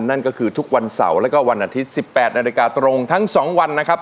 นั่นก็คือทุกวันเสาร์แล้วก็วันอาทิตย์๑๘นาฬิกาตรงทั้ง๒วันนะครับ